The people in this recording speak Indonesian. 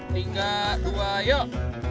tiga dua yuk